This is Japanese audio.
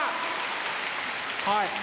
はい。